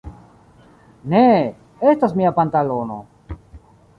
Ne! Estas mia pantalono!